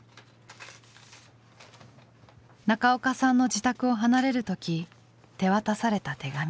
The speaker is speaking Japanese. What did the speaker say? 中岡さんの自宅を離れる時手渡された手紙。